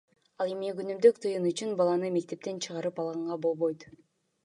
Ал эми күнүмдүк тыйын үчүн баланы мектептен чыгарып алган болбойт.